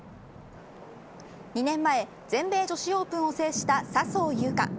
２年前、全米女子オープンを制した笹生優花。